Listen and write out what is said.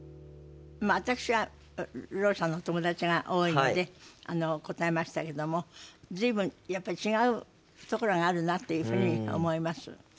まあ私はろう者の友達が多いので答えましたけども随分やっぱ違うところがあるなっていうふうに思います。